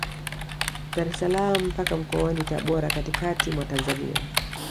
Dar es salaam mpaka Mkoani Tabora katikati mwa Tanzania